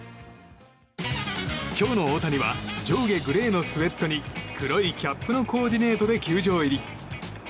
今日の大谷は上下グレーのスウェットに黒いキャップのコーディネートで球場入り。